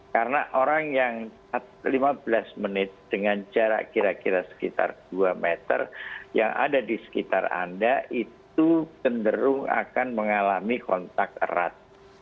karena orang yang lima belas menit dengan jarak kira kira sekitar dua meter yang ada di sekitar anda itu kenderung akan mengalami kontak erat